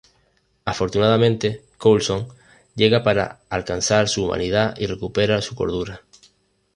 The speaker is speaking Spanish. Afortunadamente, Coulson llega para alcanzar su humanidad y recupera su cordura.